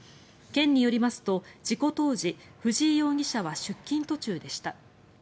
県によりますと事故当時藤井容疑者は出勤途中でした。